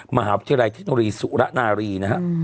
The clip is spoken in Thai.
มหาวิทยาลัยเทคโนโลยีสุระนารีนะฮะ